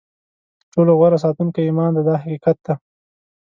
تر ټولو غوره ساتونکی ایمان دی دا حقیقت دی.